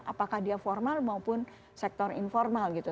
apakah dia formal maupun sektor informal gitu